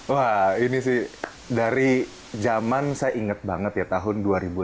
wah ini sih dari zaman saya inget banget ya tahun dua ribu enam belas